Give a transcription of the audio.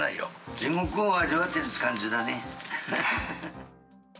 地獄を味わってるっていう感じだね。